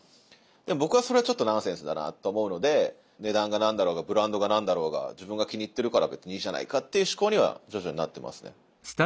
でも僕はそれはちょっとナンセンスだなと思うので値段が何だろうがブランドが何だろうが自分が気に入ってるから別にいいじゃないかっていう思考には徐々になってますね。